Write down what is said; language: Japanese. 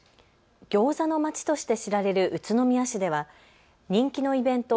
ギョーザの街として知られる宇都宮市では人気のイベント